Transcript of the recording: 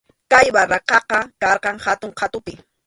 Kay barracaqa karqan hatun qhatupi.